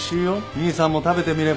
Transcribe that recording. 兄さんも食べてみれば？